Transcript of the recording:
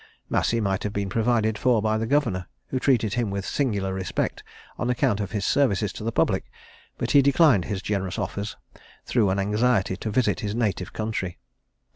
Massey might have been provided for by the governor, who treated him with singular respect, on account of his services to the public; but he declined his generous offers, through an anxiety to visit his native country.